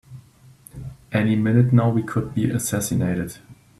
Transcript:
Any minute now we could be assassinated!